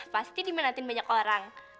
pasti dimenatin banyak orang